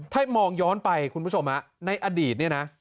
ถ้ามองย้อนไปคุณผู้ชมในอดีตเนี่ยนะ